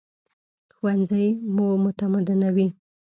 ښوونځی مو متمدنوي